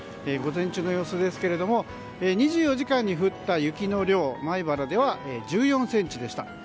午前中の様子ですけれども２４時間に降った雪の量米原では１４ｃｍでした。